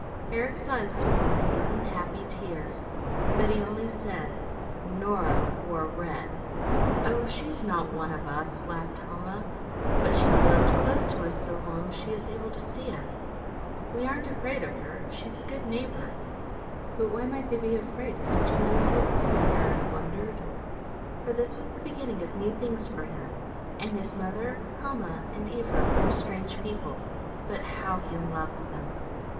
Eric's eyes swam in sudden, happy tears, but he only said, "Nora wore red." "Oh, she's not one of us," laughed Helma. "But she's lived close to us so long, she is able to see us. We aren't afraid of her. She's a good neighbor." But why might they be afraid of such a nice old woman, Eric wondered. He was to learn sometime, and much beside, for this was the beginning of new things for him, and his mother, Helma, and Ivra were strange people. But how he loved them!